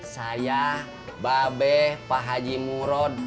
saya babeh pak haji murad